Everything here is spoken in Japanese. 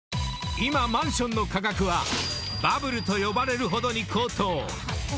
［今マンションの価格はバブルと呼ばれるほどに高騰］